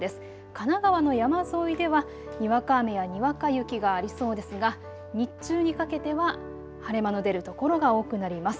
神奈川の山沿いではにわか雨やにわか雪がありそうですが日中にかけては晴れ間の出る所が多くなります。